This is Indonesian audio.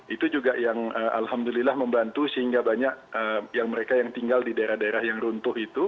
itu juga yang alhamdulillah membantu sehingga banyak yang mereka yang tinggal di daerah daerah yang runtuh itu